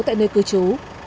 tại nơi cư trú